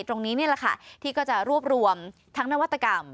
ตรงนี้นี่แหละค่ะที่ก็จะรวบรวมทั้งนวัตกรรม